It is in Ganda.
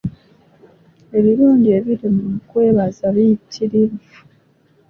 Ebirungi ebiri mu kwebaza biyitirivu.